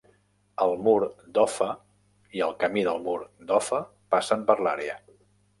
El mur d'Offa i el camí del mur d'Offa passen per l'àrea.